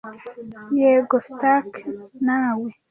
"Yego, Stark. Nawe?"